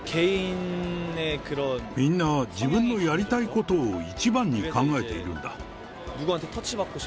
みんな自分のやりたいことを一番に考えているんだ。